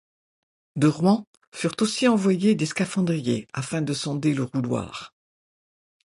De Rouen, furent aussi envoyés des scaphandriers afin de sonder le Rouloir.